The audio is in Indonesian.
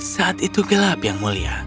saat itu gelap yang mulia